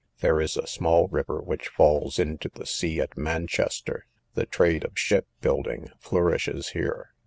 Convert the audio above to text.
There is a small river which falls into the sea at Manchester. The trade of ship building flourishes here.